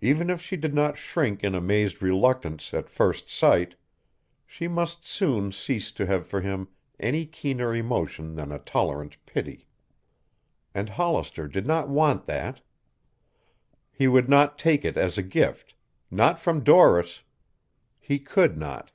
Even if she did not shrink in amazed reluctance at first sight, she must soon cease to have for him any keener emotion than a tolerant pity. And Hollister did not want that. He would not take it as a gift not from Doris; he could not.